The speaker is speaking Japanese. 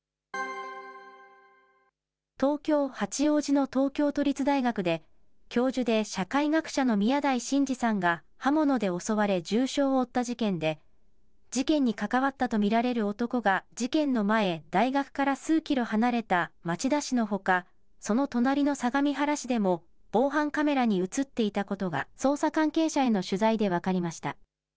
東京・八王子の東京都立大学で、教授で社会学者の宮台真司さんが刃物で襲われ重傷を負った事件で、事件に関わったと見られる男が事件の前、大学から数キロ離れた町田市のほか、その隣の相模原市でも防犯カメラに写っていたことが、捜査関係者への取材で分かりました。